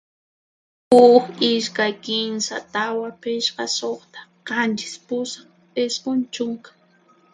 Huq, ishkay, kinsa, tawa, phishqa, suqta, qanchis, pusaq, isqun, chunka.